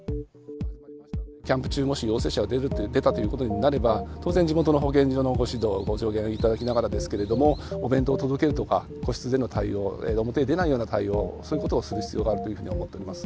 キャンプ中、もし陽性者が出たということになれば、当然、地元の保健所のご指導、ご助言いただきながらですけども、お弁当を届けるとか、個室での対応、表へ出ないような対応を、そういうことをする必要があるというふうに思っております。